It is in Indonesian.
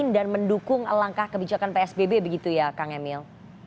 dan mendukung langkah kebijakan psbb begitu ya kang emil